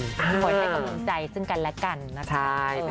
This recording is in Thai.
ขอให้เขารู้ใจซึ่งกันและกันนะครับ